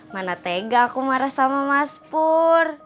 mana tega aku marah sama mas pur